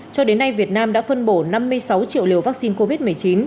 cho đến nay việt nam đã phân bổ năm mươi sáu triệu liều vaccine covid một mươi chín